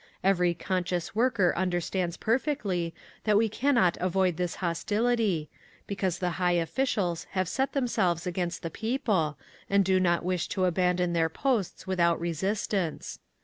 Every conscious worker understands perfectly that we cannot avoid this hostility, because the high officials have set themselves against the People and do not wish to abandon their posts without resistance.